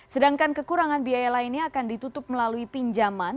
sedangkan kekurangan biaya lainnya akan ditutup melalui pinjaman